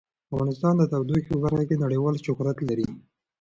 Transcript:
افغانستان د تودوخه په برخه کې نړیوال شهرت لري.